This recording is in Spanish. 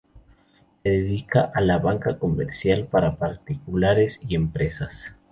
Se dedicaba a la banca comercial para particulares y empresas.